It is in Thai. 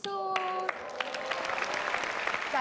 เบ๊กเองก็ยินมา